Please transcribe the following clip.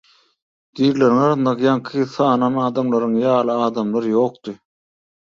Dirileriň arasynda ýaňky sanan adamlarym ýaly adamlar ýokdy.